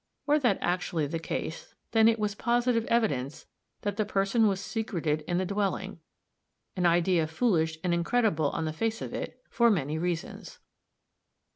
Were that actually the case, then, it was positive evidence that the person was secreted in the dwelling an idea foolish and incredible on the face of it, for many reasons.